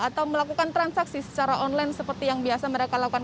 atau melakukan transaksi secara online seperti yang biasa mereka lakukan